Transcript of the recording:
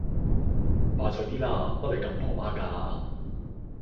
快脆啲啦，乜你咁婆媽㗎